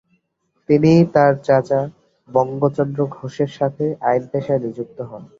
তিনি তার চাচা বঙ্গচন্দ্র ঘোষের সাথে আইন পেশায় নিযুক্ত হন।